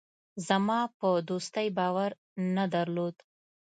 زما په دوستۍ باور نه درلود.